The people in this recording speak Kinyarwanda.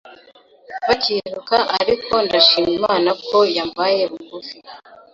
bakiruka ariko ndashima Imana ko yambaye bugufi’